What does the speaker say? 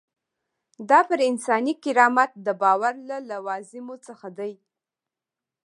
دا پر انساني کرامت د باور له لوازمو څخه دی.